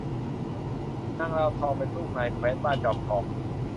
นางลาวทองเป็นลูกนายแคว้นบ้านจอมทอง